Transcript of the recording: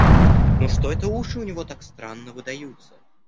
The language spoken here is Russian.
Но что это уши у него так странно выдаются!